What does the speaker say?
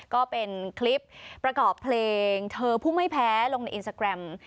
ก็เป็นคลิปประกอบเพลงเธอผู้ไม่แพ้ลงในอินสตาแกรม